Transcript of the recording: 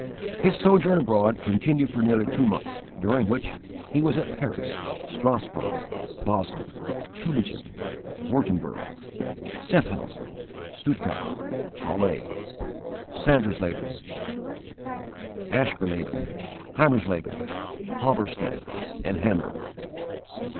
His sojourn abroad continued for nearly two months, during which time he was at Paris, Strasburg, Basle, Tubingen, Wurtemberg, Sehaffhausen, Stuttgart, Halle, Sandersleben, Aschersleben, Heimersleben, Halberstadt, and Hamburg.